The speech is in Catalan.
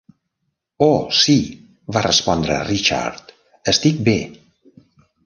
"Oh, sí", va respondre Richard, "Estic bé."